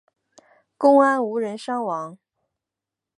公安无人伤亡。